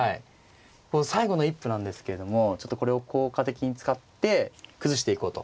最後の一歩なんですけれどもちょっとこれを効果的に使って崩していこうと。